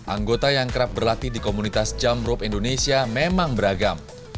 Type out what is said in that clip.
anggota yang kerap berlatih di komunitas jumprope indonesia memang beragam